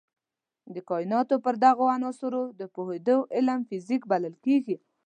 د کایناتو پر دغو عناصرو د پوهېدو علم فزیک بلل کېږي.